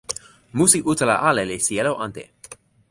musi utala ale li sijelo ante.